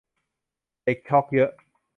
เด็กช็อคเยอะ